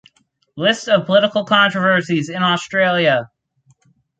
List of political controversies in Australia